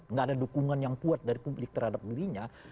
nggak ada dukungan yang kuat dari publik terhadap dirinya